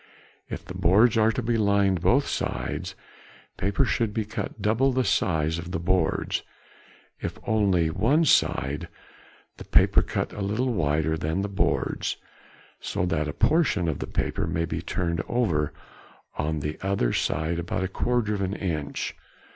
If the boards are to be lined both sides, paper should be cut double the size of the boards; if only one side, the paper cut a little wider than the boards, so that a portion of the paper may be turned over on to the other side about a quarter of an inch.